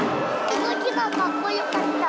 動きがかっこよかった。